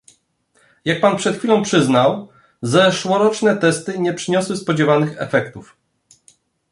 Jak Pan przed chwilą przyznał, zeszłoroczne testy nie przyniosły spodziewanych efektów